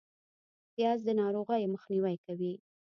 پیاز د ناروغیو مخنیوی کوي